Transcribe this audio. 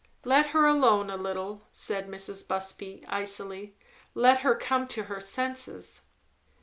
"Let her alone a little," said Mrs. Busby icily. "Let her come to her senses."